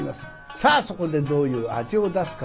さあそこでどういう味を出すか。